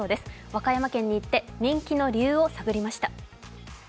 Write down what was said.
和歌山県に行って人気の理由を探りました。